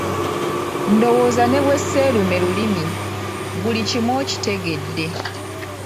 Ndowooza ne bwe seerume lulimi, buli kimu okitegedde.